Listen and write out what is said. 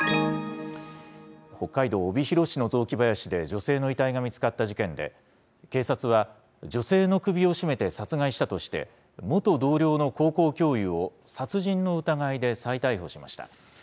北海道帯広市の雑木林で、女性の遺体が見つかった事件で、警察は、女性の首を絞めて殺害したとして、元同僚の高校教諭を殺人の疑いで再逮捕しました。